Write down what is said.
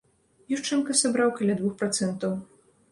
Юшчанка сабраў каля двух працэнтаў.